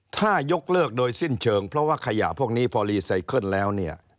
ถ้ายกเลิกโดยสิ้นเชิงเพราะว่าขยะพวกนี้พอรีไซเคิลแล้วเนี่ย